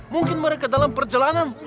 mungkin mereka dalam perjalanan